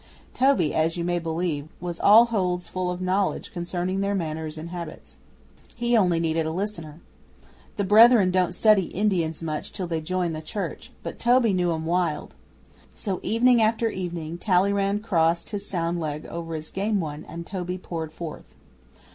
Toby, as you may believe, was all holds full of knowledge concerning their manners and habits. He only needed a listener. The Brethren don't study Indians much till they join the Church, but Toby knew 'em wild. So evening after evening Talleyrand crossed his sound leg over his game one and Toby poured forth.